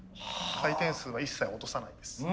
回転数は一切落とさないです。